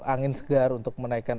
angin segar untuk menaikkan